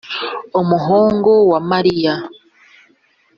umuhungu wa mariya